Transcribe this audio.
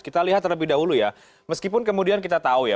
kita lihat terlebih dahulu ya meskipun kemudian kita tahu ya